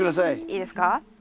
いいですか。